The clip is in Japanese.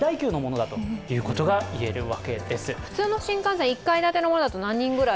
普通の新幹線、１階建てのものだと何人ぐらい？